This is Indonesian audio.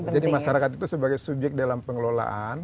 jadi masyarakat itu sebagai subjek dalam pengelolaan